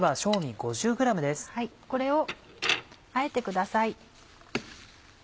これをあえてください。